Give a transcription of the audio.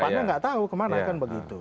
karena nggak tahu kemana kan begitu